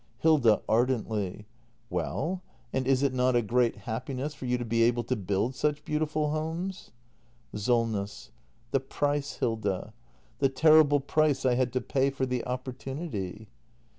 Hilda. [Ardently.] Well, and is it not a great happiness for you to be able to build such beautiful homes ? SOLNESS. The price, Hilda! The terrible price I had to pay for the opportunity!